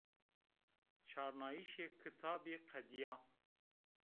Çarnayîşê kitabî qedîya